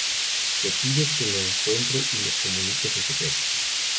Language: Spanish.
Le pide que lo encuentre y le comunique el secreto.